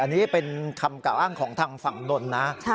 อันนี้เป็นคำกล่าวอ้างของทางฝั่งนนท์นะ